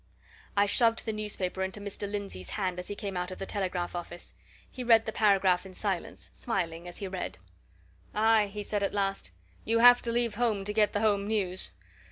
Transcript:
I shoved the newspaper into Mr. Lindsey's hand as he came out of the telegraph office. He read the paragraph in silence, smiling as he read. "Aye!" he said at last, "you have to leave home to get the home news.